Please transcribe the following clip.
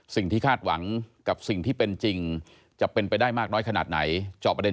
สิ่งที่คาดหวังกับสิ่งที่เป็นจริงจะเป็นไปได้มากน้อยขนาดไหน